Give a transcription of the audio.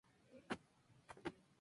Su padre era capitán de carabineros.